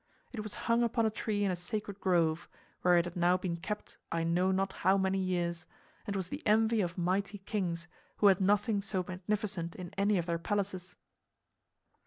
It was hung upon a tree in a sacred grove, where it had now been kept I know not how many years, and was the envy of mighty kings who had nothing so magnificent in any of their palaces.